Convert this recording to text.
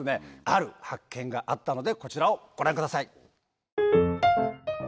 ある発見があったのでこちらをご覧ください。